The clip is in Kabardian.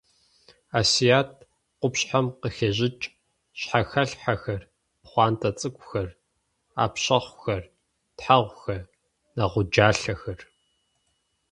Асият къупщхьэм къыхещӏыкӏ: щхьэхэлъхьэхэр, пхъуантэ цӏыкӏухэр, ӏэпщэхъухэр, тхьэгъухэр, нэгъуджалъэхэр.